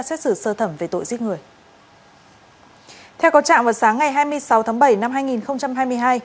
xét xử sơ thẩm về tội giết người theo có trạng vào sáng ngày hai mươi sáu tháng bảy năm hai nghìn hai mươi hai